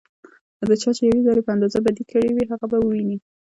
او چا چې ديوې ذرې په اندازه بدي کړي وي، هغه به وويني